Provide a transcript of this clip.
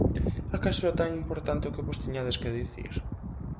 Acaso era tan importante o que vos tiñades que dicir?